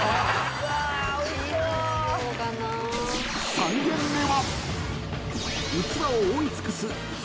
［３軒目は］